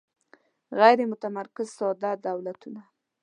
غیر متمرکز ساده دولتونه